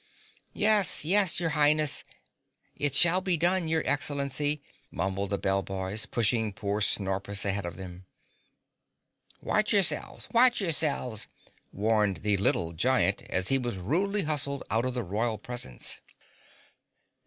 "Yes! Yes! Your Highness! It shall be done, Your Excellency!" mumbled the bell boys, pushing poor Snorpus ahead of them. "Watch yourselves! Watch yourselves!" warned the little Giant as he was rudely hustled out of the royal presence.